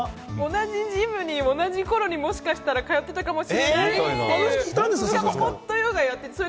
同じジムに同じ頃にもしかしていたら通っていたかもしれないという。